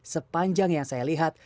sepanjang yang saya lihat